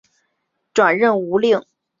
转任吴令。